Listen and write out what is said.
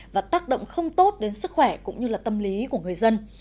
và tác động không tốt đến sức khỏe cũng như là tâm lý của người dân